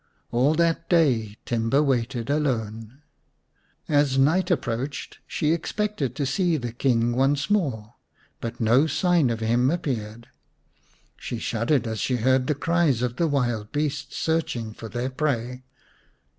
All that day Timba waited alone. As night approached she expected to see the King once more, but no sign of him appeared. She shuddered as she heard the cries of the wild beasts searching for their prey.